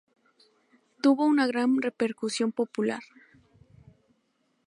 Tuvo una gran repercusión popular.